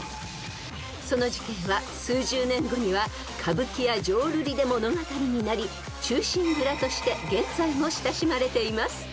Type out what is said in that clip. ［その事件は数十年後には歌舞伎や浄瑠璃で物語になり『忠臣蔵』として現在も親しまれています］